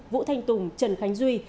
vũ thanh tùng trần khánh duy